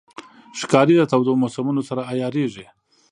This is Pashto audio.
ښکاري د تودو موسمونو سره عیارېږي.